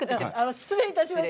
失礼いたしました。